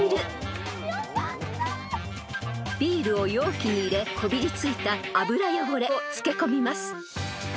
［ビールを容器に入れこびりついた油汚れを漬け込みます］